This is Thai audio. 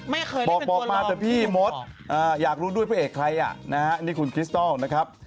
ไม่เคยบอกมาเถอะพี่มดอยากรู้ด้วยพระเอกใครอ่ะนะฮะนี่คุณคริสตอลนะครับ